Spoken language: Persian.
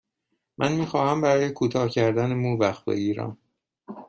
من می خواهم برای کوتاه کردن مو وقت بگیرم.